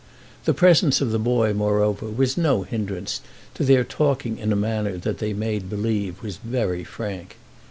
The presence of the boy moreover was no hindrance to their talking in a manner that they made believe was very frank.